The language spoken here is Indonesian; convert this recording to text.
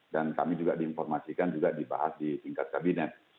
dan kami juga diinformasikan juga dibahas di tingkat kabinet